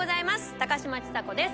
高嶋ちさ子です。